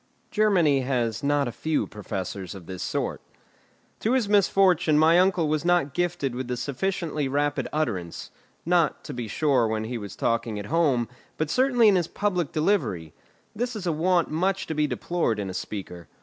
Germany has not a few professors of this sort. To his misfortune, my uncle was not gifted with a sufficiently rapid utterance; not, to be sure, when he was talking at home, but certainly in his public delivery; this is a want much to be deplored in a speaker.